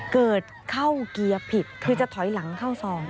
เกิดเข้าเกียร์ผิดคือจะถอยหลังเข้าซอง